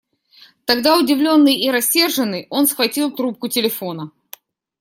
Тогда, удивленный и рассерженный, он схватил трубку телефона.